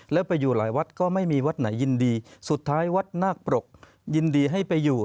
แล้วไปอยู่หลายวัดก็ไม่มีวัดไหนยินดีสุดท้ายวัดนาคปรกยินดีให้ไปอยู่